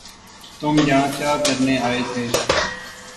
تم یہاں کیا کرنے آئے تھے